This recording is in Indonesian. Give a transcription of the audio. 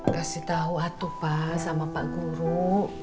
kasih tau atuh pak sama pak guru